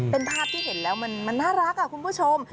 เป็นภาพที่เห็นแล้วมันน่ารักคุณผู้ชม